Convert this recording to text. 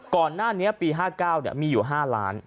ก่อนหน้านี้ปี๕๙มีอยู่๕ล้าน